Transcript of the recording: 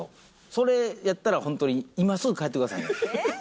それやったら本当に今すぐ帰ってください。